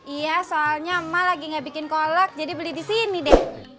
iya soalnya emma lagi ga bikin kolek jadi beli disini deh